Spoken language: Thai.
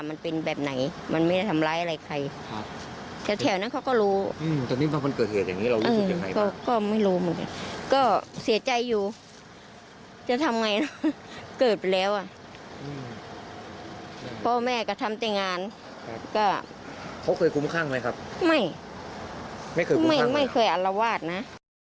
ไม่เคยอัลลวาดนะ